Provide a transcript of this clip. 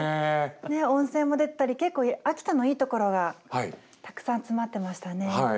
温泉も出てたり結構秋田のいいところがたくさん詰まってましたね。